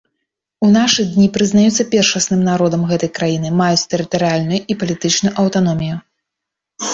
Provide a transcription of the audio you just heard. У нашы дні прызнаюцца першасным народам гэтай краіны, маюць тэрытарыяльную і палітычную аўтаномію.